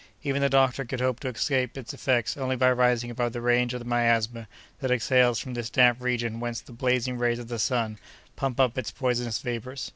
Even the doctor could hope to escape its effects only by rising above the range of the miasma that exhales from this damp region whence the blazing rays of the sun pump up its poisonous vapors.